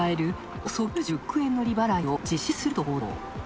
およそ９５億円の利払いを実施すると報道。